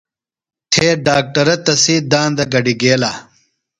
تھے ڈاکٹرہ تسی داندہ گڈیۡ گیلہ۔